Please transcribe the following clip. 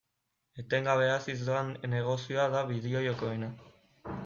Etengabe haziz doan negozioa da bideo-jokoena.